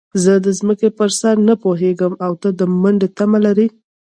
زه د ځمکې پر سر نه پوهېږم او ته د منډې تمه لرې.